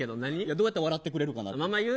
どうやったら笑ってくれるかな。